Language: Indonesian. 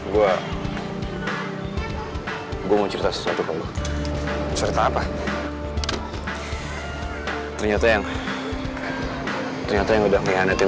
gue gue mau cerita sesuatu kalau cerita apa ternyata yang ternyata yang udah ngianetin